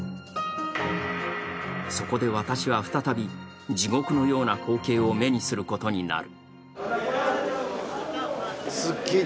そこで私は再び地獄のような光景を目にすることになる。